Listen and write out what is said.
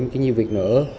chứ nhiều việc nữa